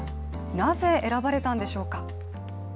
なぜ選ばれたんでしょうか。